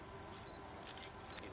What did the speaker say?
kita melaksanakan ziarah ini